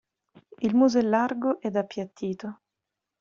Il muso è largo ed appiattito.